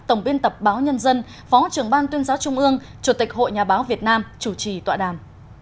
tổng biên tập báo nhân dân phó trưởng ban tuyên giáo trung ương chủ tịch hội nhà báo việt nam chủ trì tọa đàm